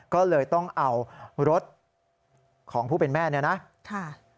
ก็เลยต้องเอารถของผู้เป็นแม่เนี่ยนะค่ะ